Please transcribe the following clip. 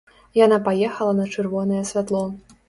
Яна паехала на чырвонае святло.